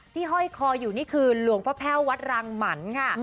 ห้อยคออยู่นี่คือหลวงพ่อแพ่ววัดรังหมันค่ะ